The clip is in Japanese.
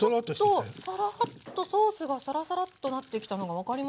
ちょっとソースがサラサラッとなってきたのが分かりますね。